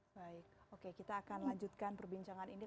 baik oke kita akan lanjutkan perbincangan ini